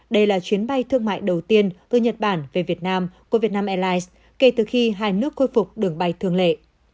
đây là chuyến bay thương mại đầu tiên từ nhật bản về việt nam của vietnam airlines kể từ khi hai nước khôi phục đường bay thường lệ